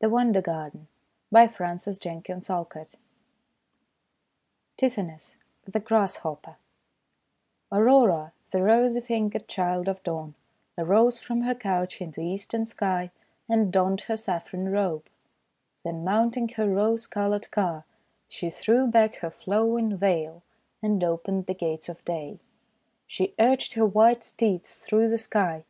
174 THE WONDER GARDEN TITHONUS, THE GRASSHOPPER Retold from the Homeric Hymns and Other Sources AURORA, the Rosy Fingered Child of Dawn, arose from her couch in the eastern Sky and donned her saffron robe. Then mounting her .rose colored car she threw back her flowing veil and opened the Gates of Day. She urged her white steeds through the Sky.